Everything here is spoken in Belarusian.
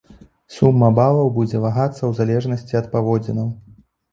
Сума балаў будзе вагацца ў залежнасці ад паводзінаў.